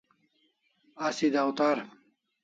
Asi dawtar